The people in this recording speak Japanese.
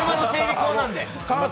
工なんで。